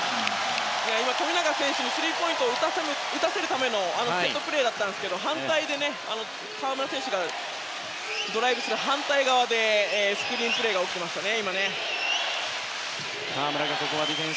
富永選手にスリーポイントを打たせるためのセットプレーだったんですけど河村選手がドライブする反対側でスクリーンプレーが起きていましたね。